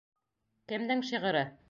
Кемдең шиғыры?